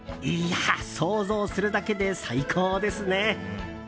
想像するだけで最高ですね。